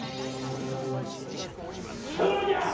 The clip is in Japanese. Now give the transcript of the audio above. くせ者じゃ！